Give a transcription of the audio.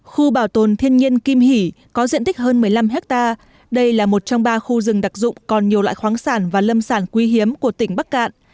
khu bảo tồn thiên nhiên kim hỷ có diện tích hơn một mươi năm hectare đây là một trong ba khu rừng đặc dụng còn nhiều loại khoáng sản và lâm sản quý hiếm của tỉnh bắc cạn